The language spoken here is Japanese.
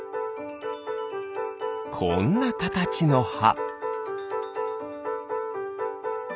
こんなかたちのは。